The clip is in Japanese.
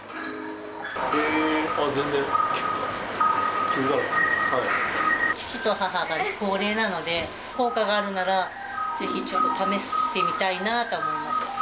へー、あっ、父と母が高齢なので、効果があるなら、ぜひちょっと試してみたいなと思いました。